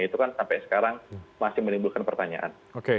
itu kan sampai sekarang masih menimbulkan pertanyaan